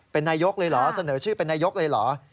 เป็นนายกเลยเหรอเสนอชื่อเป็นนายกเลยเหรอ